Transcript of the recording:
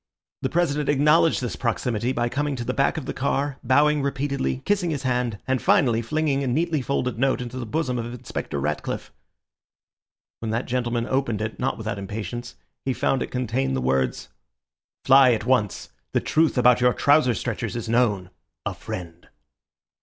The President acknowledged this proximity by coming to the back of the car, bowing repeatedly, kissing his hand, and finally flinging a neatly folded note into the bosom of Inspector Ratcliffe. When that gentleman opened it, not without impatience, he found it contained the words:— "Fly at once. The truth about your trouser stretchers is known.—A FRIEND."